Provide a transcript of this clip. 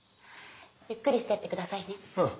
ゆっくりしてってくださいね。